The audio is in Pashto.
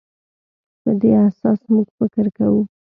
په دې اساس موږ فکر کوو.